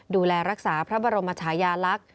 ดูแลรักษาพระบรมชายาลักษณ์